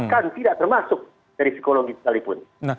kan tidak termasuk dari psikologi sekalipun